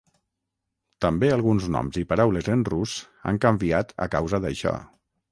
També alguns noms i paraules en rus han canviat a causa d'això.